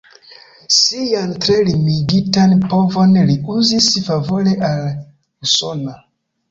Sian tre limigitan povon li uzis favore al Usono.